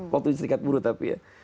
waktu itu serikat buruh tapi ya